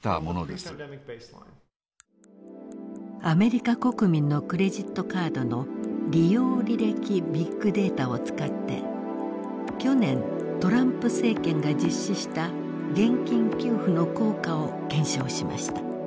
アメリカ国民のクレジットカードの利用履歴ビッグデータを使って去年トランプ政権が実施した現金給付の効果を検証しました。